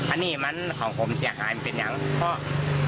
อันนี้เกมาน่ะของผมสี่หายเป็นอย่างเพราะ